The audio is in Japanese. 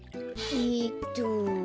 えっと。